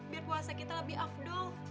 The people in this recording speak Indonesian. biar puasa kita lebih afdol